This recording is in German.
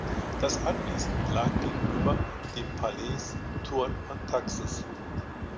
Das Anwesen lag gegenüber dem Palais Thurn und Taxis.